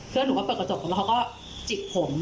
หนูก็เปิดกระจกแล้วเขาก็จิกผม